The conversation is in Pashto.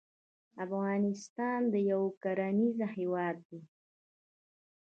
افغانستان يو کرنيز هېواد دی.